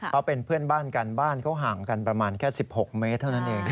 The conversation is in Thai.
เขาเป็นเพื่อนบ้านกันบ้านเขาห่างกันประมาณแค่๑๖เมตรเท่านั้นเอง